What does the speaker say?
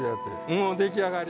もう出来上がり。